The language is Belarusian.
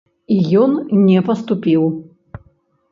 І ён не паступіў.